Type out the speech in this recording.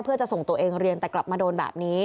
เพื่อจะส่งตัวเองเรียนแต่กลับมาโดนแบบนี้